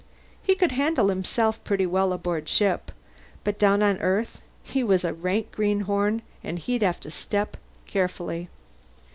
He could handle himself pretty well aboard ship, but down on Earth he was a rank greenhorn and he'd have to step carefully.